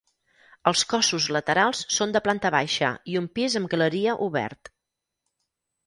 Els cossos laterals són de planta baixa i un pis amb galeria obert.